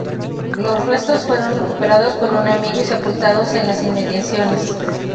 Los restos fueron recuperados por un amigo y sepultados en las inmediaciones.